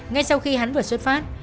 ngay sau khi hắn vừa xuất phát